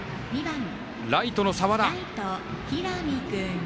ライトの澤田。